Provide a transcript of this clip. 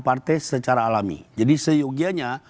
partai secara alami jadi seyogianya